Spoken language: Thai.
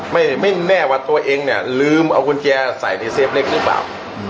ไม่ไม่แน่ว่าตัวเองเนี่ยลืมเอากุญแจใส่ในเฟฟเล็กหรือเปล่า